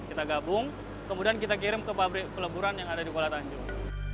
kita gabung kemudian kita kirim ke pabrik peleburan yang ada di kuala tanjung